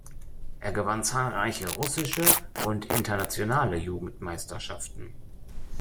Er gewann zahlreiche russische und internationale Jugendmeisterschaften.